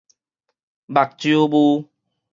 目睭霧